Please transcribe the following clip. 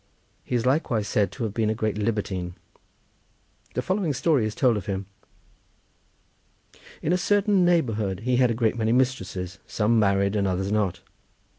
He is likewise said to have been a great libertine. The following story is told of him:— "In a certain neighbourhood he had a great many mistresses, some married and others not.